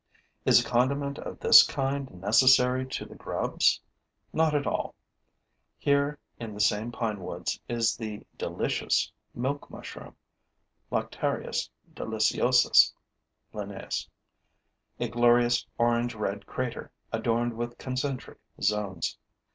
Is a condiment of this kind necessary to the grubs? Not at all. Here, in the same pinewoods, is the "delicious" milk mushroom (Lactarius deliciosus, LIN.), a glorious orange red crater, adorned with concentric zones.